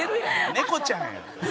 猫ちゃんやん。